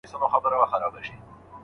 یو ځوان له موټره ښکته شو.